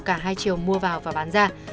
cả hai chiều mua vào và bán ra